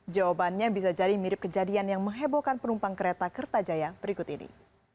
jawabannya bisa jadi mirip kejadian yang menghebohkan penumpang kereta kertajaya berikut ini